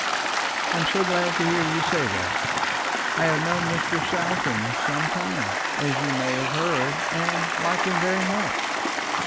"I am so glad to hear you say that. I have known Mr. Saltram some time, as you may have heard and like him very much.